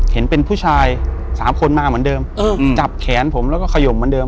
เห็นเป็นผู้ชาย๓คนมาเหมือนเดิมจับแขนผมแล้วก็ขยมเหมือนเดิ